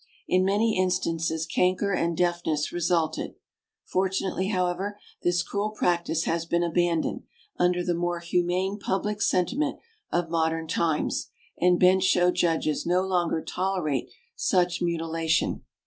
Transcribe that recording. In many instances, canker and deafness resulted. Fortunately, however, this cruel practice has been abandoned, under the more humane public sentiment of modern times, and bench show judges no longer tolerate such mutilation.